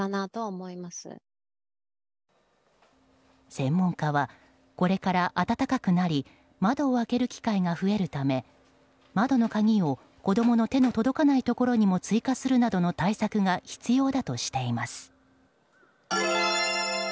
専門家は、これから暖かくなり窓を開ける機会が増えるため窓の鍵を子供の手の届かないところにも追加するなどの対策が必要だとしています。